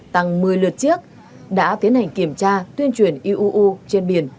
tăng một mươi lượt chiếc đã tiến hành kiểm tra tuyên truyền u trên biển